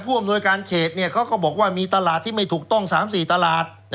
อำนวยการเขตเขาก็บอกว่ามีตลาดที่ไม่ถูกต้อง๓๔ตลาด